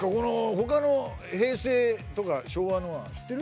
他の平成とか昭和のは知ってる？